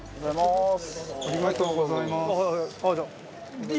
ありがとうございます。